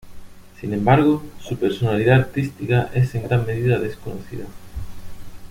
Sin embargo, su personalidad artística es en gran medida desconocida.